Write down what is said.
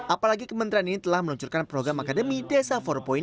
apalagi kementerian ini telah meluncurkan program akademi desa empat